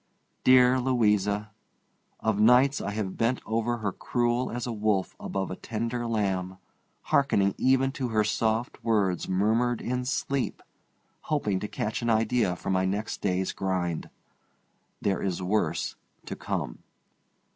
Dear Louisa! Of nights I have bent over her cruel as a wolf above a tender lamb, hearkening even to her soft words murmured in sleep, hoping to catch an idea for my next day's grind. There is worse to come.